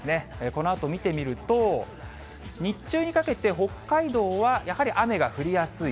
このあと見てみると、日中にかけて、北海道はやはり雨が降りやすい。